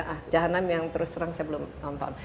dan juga ada dahanam yang terus terang saya belum nonton